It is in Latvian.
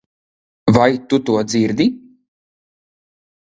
Vai tu to dzirdi?